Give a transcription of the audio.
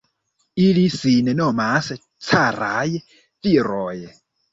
Ili sin nomas caraj viroj!